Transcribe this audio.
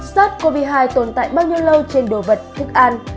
sars cov hai tồn tại bao nhiêu lâu trên đồ vật thức an